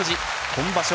今場所